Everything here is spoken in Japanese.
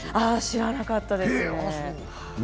知らなかったですね。